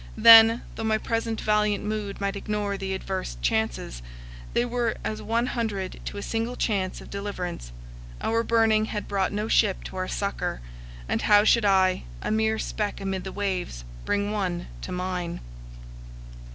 Then, though my present valiant mood might ignore the adverse chances, they were as one hundred to a single chance of deliverance. Our burning had brought no ship to our succor; and how should I, a mere speck amid the waves, bring one to mine?